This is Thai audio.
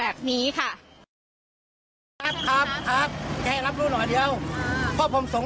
วันนี้นายกมาถึง